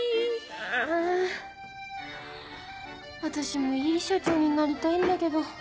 私もいい社長になりたいんだけど。